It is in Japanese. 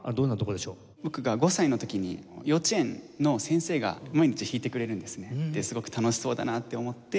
僕が５歳の時に幼稚園の先生が毎日弾いてくれるんですね。ですごく楽しそうだなって思って。